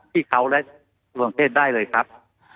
ที่เขาและส่วนการสำเทศได้เลยครับ